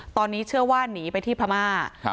ตอนนี้เชื่อว่าหนีไปที่พม่า